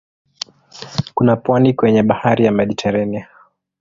Kuna pwani kwenye bahari ya Mediteranea.